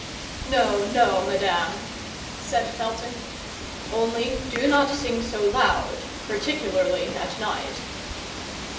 "No, no, madame," said Felton, "only do not sing so loud, particularly at night."